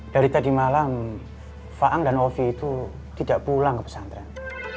dari tadi malam faang dan ovi itu tidak pulang ke pesantren